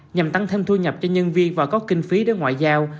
nhằm tăng thêm thu nhập cho nhân viên và có kinh phí để ngoại giao